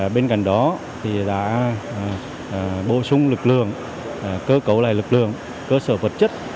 bên cạnh đó đã bổ sung lực lượng cơ cấu lại lực lượng cơ sở vật chất